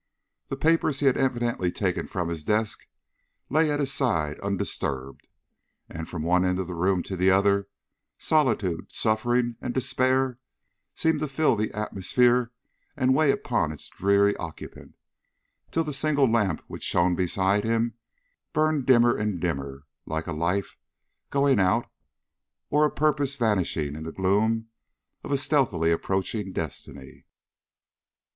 The papers he had evidently taken from his desk, lay at his side undisturbed, and from one end of the room to the other, solitude, suffering, and despair seemed to fill the atmosphere and weigh upon its dreary occupant, till the single lamp which shone beside him burned dimmer and dimmer, like a life going out or a purpose vanishing in the gloom of a stealthily approaching destiny.